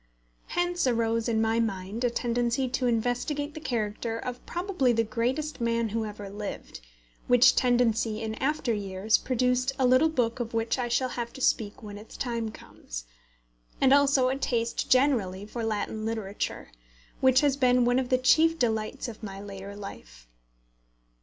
Hence arose in my mind a tendency to investigate the character of probably the greatest man who ever lived, which tendency in after years produced a little book of which I shall have to speak when its time comes, and also a taste generally for Latin literature, which has been one of the chief delights of my later life.